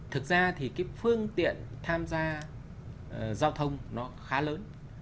thực ra thì cái phương tiện tham gia giao thông nó khá lớn